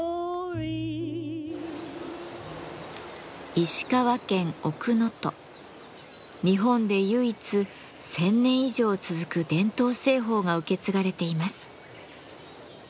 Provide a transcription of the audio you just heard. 塩鑑賞の小壺は日本で唯一１，０００年以上続く伝統製法が受け継がれています。